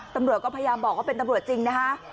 ตำรวจก็พยายามบอกว่าเป็นตำรวจจริงนะคะ